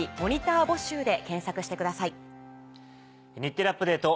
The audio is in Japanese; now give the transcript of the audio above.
『日テレアップＤａｔｅ！』。